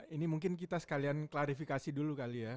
ini mungkin kita sekalian klarifikasi dulu kali ya